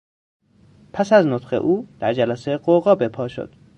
پس از نطق او در جلسه غوغا بهپا شد.